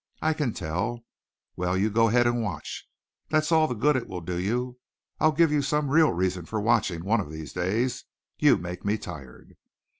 I can tell. Well, you go ahead and watch. That's all the good it will do you. I'll give you some real reason for watching one of these days. You make me tired!"